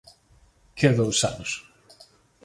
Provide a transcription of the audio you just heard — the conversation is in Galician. ¡Que dous anos!